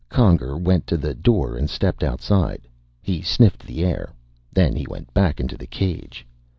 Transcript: Conger went to the door and stepped outside. He sniffed the air. Then he went back into the cage.